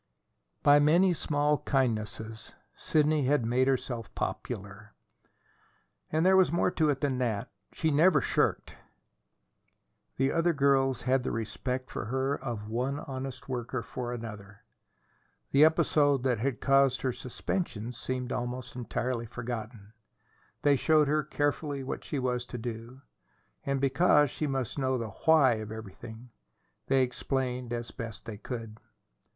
By many small kindnesses Sidney had made herself popular. And there was more to it than that. She never shirked. The other girls had the respect for her of one honest worker for another. The episode that had caused her suspension seemed entirely forgotten. They showed her carefully what she was to do; and, because she must know the "why" of everything, they explained as best they could.